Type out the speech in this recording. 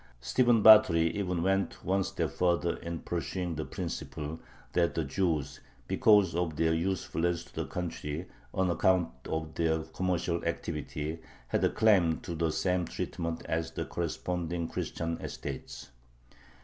Stephen Batory even went one step further in pursuing the principle, that the Jews, because of their usefulness to the country on account of their commercial activity, had a claim to the same treatment as the corresponding Christian estates.